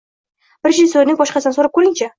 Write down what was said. Bir rejissyorni boshqasidan so‘rab ko‘ringchi.